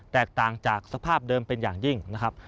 แตกต่างจากสภาพเดิมเป็นอย่างยิ่งนะครับ